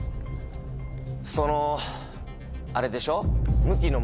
そのあれでしょ？